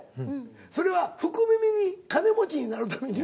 それは福耳に金持ちになるために。